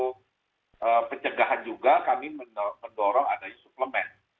untuk pencegahan juga kami mendorong adanya suplemen